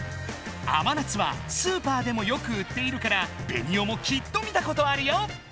甘夏はスーパーでもよく売っているからベニオもきっと見たことあるよ！